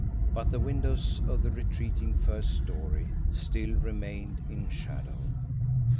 But the windows of the retreating first story still remained in shadow.